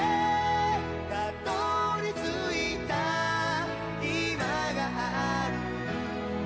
「辿り着いた今がある」